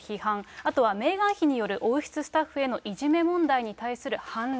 あとはメーガン妃による王室スタッフへのいじめ問題に対する反論。